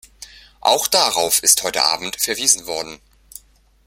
Auch darauf ist heute Abend verwiesen worden.